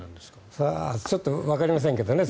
それはちょっとわかりませんけどね。